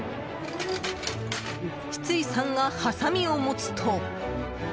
シツイさんがはさみを持つと。